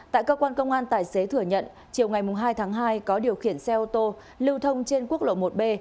tại cơ quan công an tài xế thừa nhận chiều ngày hai tháng hai có điều khiển xe ô tô lưu thông trên quốc lộ một b